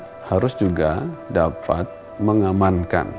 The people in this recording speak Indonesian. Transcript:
kita harus juga dapat mengamankan